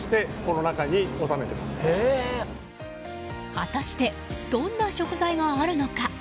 果たしてどんな食材があるのか。